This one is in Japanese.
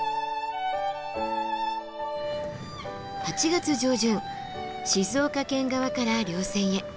８月上旬静岡県側から稜線へ。